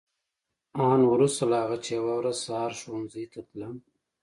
آن وروسته له هغه چې یوه ورځ سهار ښوونځي ته تلم.